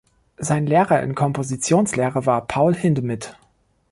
Sein Lehrer in Kompositionslehre war Paul Hindemith.